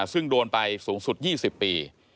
ซึ่งโดนไปสูงสุด๒๐ปี